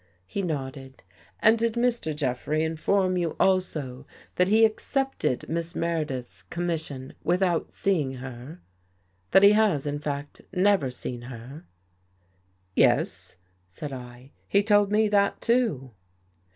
He nodded. " And did Mr. Jeffrey inform you also that he accepted Miss Meredith's commission without seeing her — that he has, in fact, never seen her?" " Yes," said 1. " He told me that too."